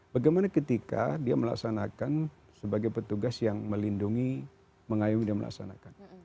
bagaimana ketika dia melaksanakan sebagai petugas yang melindungi mengayomi dan melaksanakan